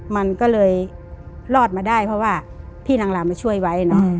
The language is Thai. มันก็เลยรอดมาได้เพราะว่าพี่นางรามมาช่วยไว้เนอะ